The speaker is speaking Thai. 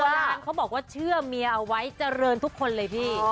งานเขาบอกว่าเชื่อเมียเอาไว้เจริญทุกคนเลยพี่